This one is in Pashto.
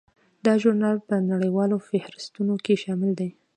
دا ژورنال په نړیوالو فهرستونو کې شامل دی.